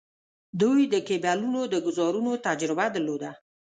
دوی د کیبلونو د ګوزارونو تجربه درلوده.